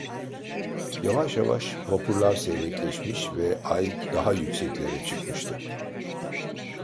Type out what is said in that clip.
Yavaş yavaş vapurlar seyrekleşmiş ve ay daha yükseklere çıkmıştı.